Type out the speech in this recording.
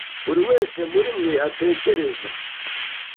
buri wese muri mwe atekereza,